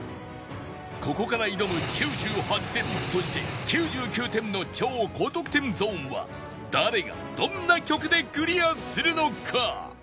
ここから挑む９８点そして９９点の超高得点ゾーンは誰がどんな曲でクリアするのか？